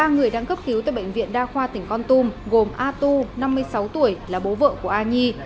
ba người đang cấp cứu tại bệnh viện đa khoa tỉnh con tum gồm a tu năm mươi sáu tuổi là bố vợ của a nhi